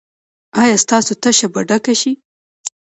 ایا ستاسو تشه به ډکه شي؟